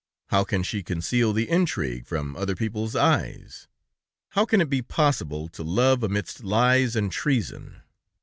How can she conceal the intrigue from other people's eyes? How can it be possible to love amidst lies and treason?"